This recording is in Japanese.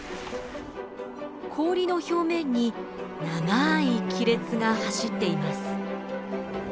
氷の表面に長い亀裂が走っています。